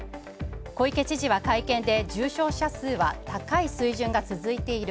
小池知事は会見で、重症者数は高い水準が続いている。